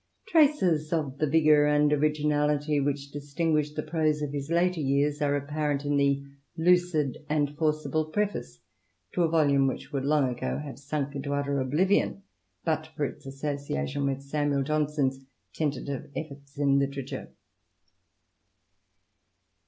Traces of the vigour and originality which distinguished the prose of his later years are apparent in the lucid and forcible preface to a volume which would long ago have sunk into utter oblivion but for its association with Samuel Johnson's tentative efforts in literature.